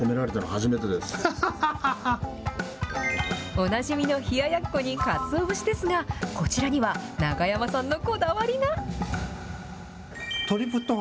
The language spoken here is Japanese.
おなじみの冷ややっこにかつお節ですが、こちらには永山さんのこだわりが。